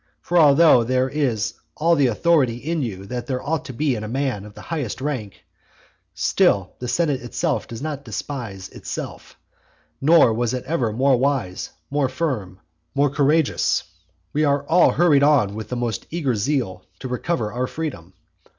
For although there is all the authority in you that there ought to be in a man of the highest rank, still the senate itself does not despise itself; nor was it ever more wise, more firm, more courageous. We are all hurried on with the most eager zeal to recover our freedom.